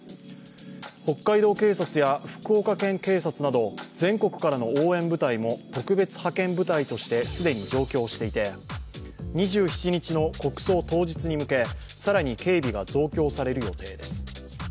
北海道警察や福岡県警察など、全国からの応援部隊も特別派遣部隊として、既に上京していて２７日の国葬当日に向け、更に警備が増強される予定です。